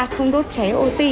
không đốt cháy oxy